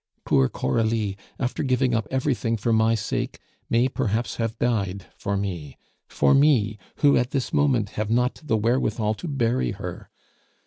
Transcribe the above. Poor Coralie, after giving up everything for my sake, may perhaps have died for me for me, who at this moment have not the wherewithal to bury her.